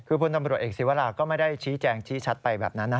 คือพลตำรวจเอกศิวราก็ไม่ได้ชี้แจงชี้ชัดไปแบบนั้นนะ